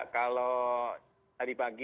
kalau tadi pagi